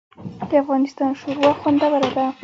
د افغانستان شوروا خوندوره ده